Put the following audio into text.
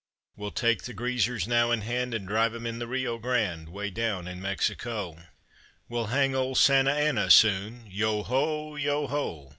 We'll take the greasers now in hand And drive 'em in the Rio Grande, Way down in Mexico. We'll hang old Santa Anna soon, Yeo ho, yeo ho!